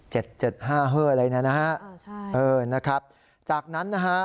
เจ็ดเจ็ดห้าเฮ้ออะไรเนี่ยนะฮะอ่าใช่เออนะครับจากนั้นนะฮะ